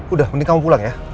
udah mending kamu pulang ya